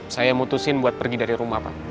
saya mutusin buat pergi dari rumah pak